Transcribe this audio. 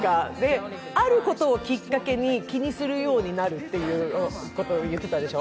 あることをきっかけに気にするようになるということを言ってたでしょ。